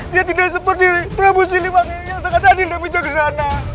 dia tidak seperti raden siliwane yang sangat adil demi jogosana